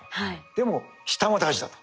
でも下も大事だと。